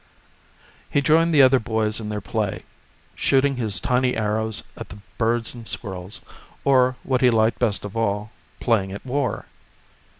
He joined the other boys in their play, shooting his tiny arrows at the birds and squirrels, or, what he liked best of all, playing at war.